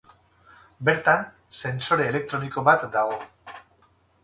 Bertan, sentsore elektroniko bat dago.